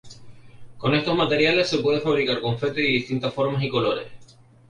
Con estos materiales se puede fabricar confeti de distintas formas y colores.